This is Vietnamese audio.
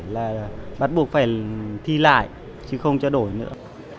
là bắt buộc phải thi lại chứ không trao đổi nữa